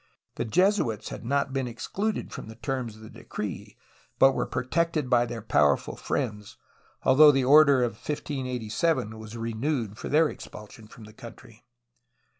The Jesuits had not been excluded from the terms of the decree, but were protected by their powerful friends, al though the order of 1587 was renewed for their expulsion from the country.